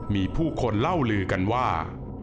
มีผู้คนเล่าลือกันว่า